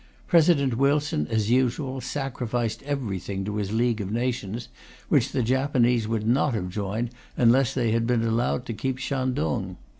President Wilson, as usual, sacrificed everything to his League of Nations, which the Japanese would not have joined unless they had been allowed to keep Shantung.